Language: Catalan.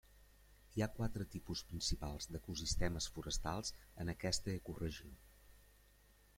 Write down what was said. Hi ha quatre tipus principals d'ecosistemes forestals en aquesta ecoregió.